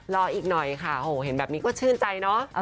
รออีกหน่อยค่ะโหเห็นแบบนี้ก็ชื่นใจเนอะ